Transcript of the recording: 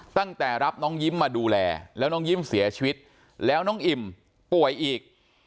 ตั้งแต่รับน้องยิ้มมาดูแลแล้วน้องยิ้มเสียชีวิตแล้วน้องอิ่มป่วยอีก